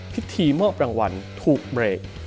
พิธีมอบรางวัลถูกเบรก